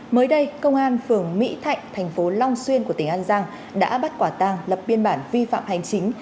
mới đây công an phường mỹ thạnh thành phố long xuyên của tỉnh an giang đã bắt quả tàng lập biên bản vi phạm hành chính